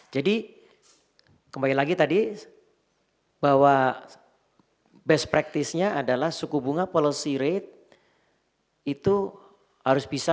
jadi kembali lagi tadi bahwa best practice nya adalah suku bunga policy rate itu harus bisa